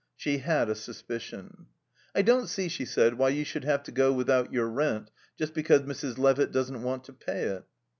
She had a suspicion. "I don't see," she said, "why you should have to go without your rent just because Mrs. Levitt doesn't want to pay it."